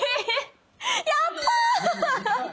やった！